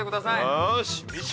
よし。